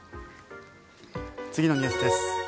次のニュースです。